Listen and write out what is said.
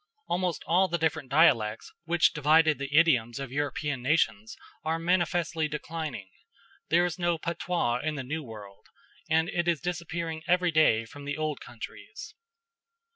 Almost all the different dialects which divided the idioms of European nations are manifestly declining; there is no patois in the New World, and it is disappearing every day from the old countries.